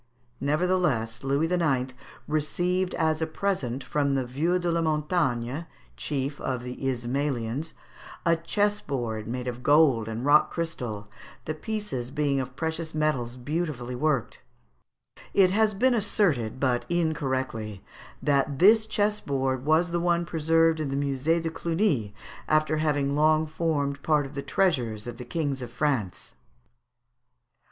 Nevertheless Louis IX. received as a present from the Vieux de la Montagne, chief of the Ismalians, a chessboard made of gold and rock crystal, the pieces being of precious metals beautifully worked. It has been asserted, but incorrectly, that this chessboard was the one preserved in the Musée de Cluny, after having long formed part of the treasures of the Kings of France.